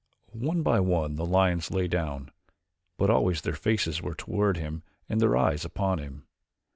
One by one the lions lay down, but always their faces were toward him and their eyes upon him.